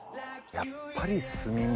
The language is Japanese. やっぱり炭火。